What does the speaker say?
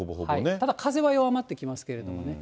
ただ、風は弱まってきますけどもね。